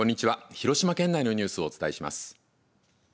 広島県内のニュースをお伝えします。